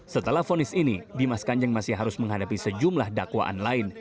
setelah fonis ini dimas kanjeng masih harus menghadapi sejumlah dakwaan lain